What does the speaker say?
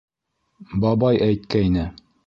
Бабай әйткәйне.